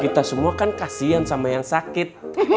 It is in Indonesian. kita semua kan kasian sama yang sakit